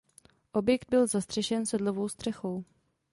Objekt byl zastřešen sedlovou střechou.